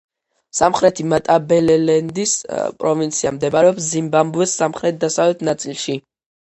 სამხრეთი მატაბელელენდის პროვინცია მდებარეობს ზიმბაბვეს სამხრეთ-დასავლეთ ნაწილში.